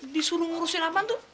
disuruh ngurusin kamu